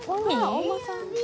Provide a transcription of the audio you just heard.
「お馬さん」